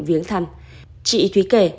viếng thăm chị thúy kể